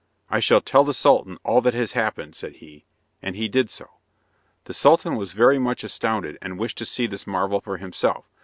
"I shall tell the Sultan all that has happened," said he. And he did so. The Sultan was very much astounded, and wished to see this marvel for himself.